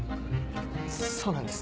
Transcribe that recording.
そうなんですね。